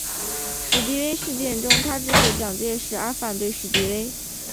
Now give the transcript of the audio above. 史迪威事件中他支持蒋介石而反对史迪威。